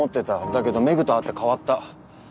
だけど廻と会って変わった。